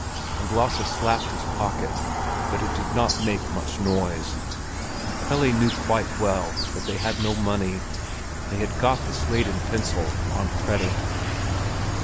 And Lasse slapped his pocket; but it did not make much noise, and Pelle knew quite well that they had no money; they had got the slate and pencil on credit.